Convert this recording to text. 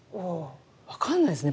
分かんないですよね